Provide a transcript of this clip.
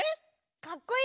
かっこいい。